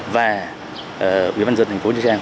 và quý văn dân thành phố nha trang